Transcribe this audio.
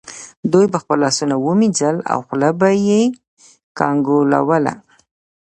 دوی به خپل لاسونه وینځل او خوله به یې کنګالوله.